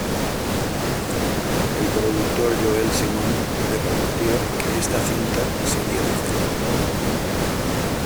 El productor Joel Simon le prometió que esta cinta sería diferente.